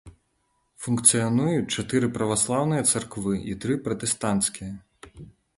Функцыянуюць чатыры праваслаўныя царквы і тры пратэстанцкія.